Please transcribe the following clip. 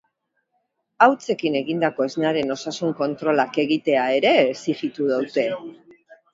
Hautsekin egindako esnearen osasun kontrolak egitea ere exijitu dute.